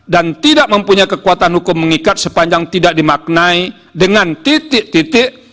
dan tidak mempunyai kekuatan hukum mengikat sepanjang tidak dimaknai dengan titik titik